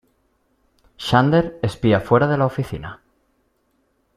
Xander espía fuera de la oficina.